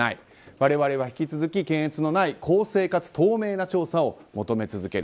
我々は引き続き検閲のない公正かつ透明な調査を求め続ける。